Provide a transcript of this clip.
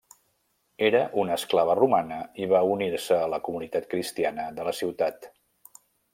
Era una esclava romana i va unir-se a la comunitat cristiana de la ciutat.